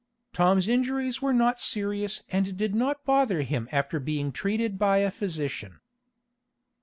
Tom's injuries were not serious and did not bother him after being treated by a physician.